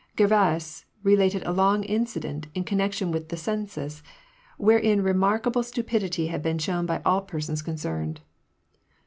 Gervais related a long incident in connection with the census, wherein remarkable stupidity had been shown by all persons concerned.